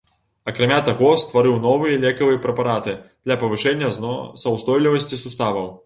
Акрамя таго, стварыў новыя лекавыя прэпараты для павышэння зносаўстойлівасці суставаў.